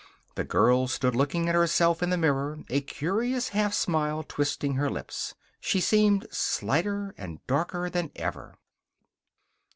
The girl stood looking at herself in the mirror, a curious half smile twisting her lips. She seemed slighter and darker than ever.